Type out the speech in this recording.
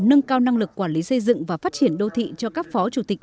nâng cao năng lực quản lý xây dựng và phát triển đô thị cho các phó chủ tịch